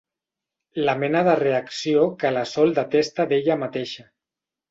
La mena de reacció que la Sol detesta d'ella mateixa.